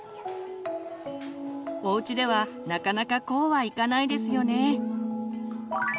おうちではなかなかこうはいかないですよね。